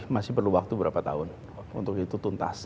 masih perlu waktu berapa tahun untuk itu tuntas